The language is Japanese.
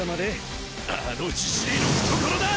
あのジジィの懐だ！